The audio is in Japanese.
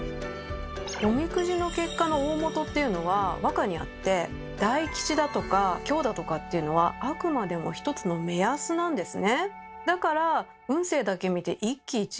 おみくじの結果の大本っていうのは和歌にあって大吉だとか凶だとかっていうのはあくまでも一つの目安なんですね。